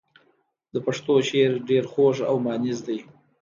د پښتو شعر ډېر خوږ او مانیز دی.